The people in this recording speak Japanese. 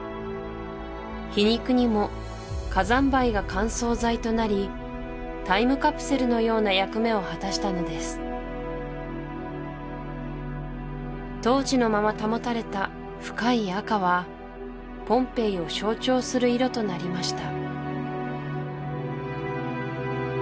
皮肉にも火山灰が乾燥材となりタイムカプセルのような役目を果たしたのです当時のまま保たれた深い赤はポンペイを象徴する色となりました